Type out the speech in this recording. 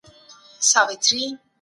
د څېړنې او طب اړیکه خورا جالبه ده.